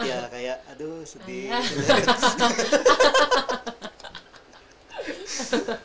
ya kayak aduh sedih